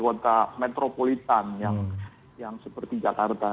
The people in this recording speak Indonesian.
kota metropolitan yang seperti jakarta